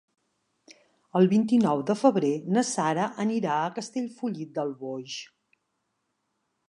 El vint-i-nou de febrer na Sara anirà a Castellfollit del Boix.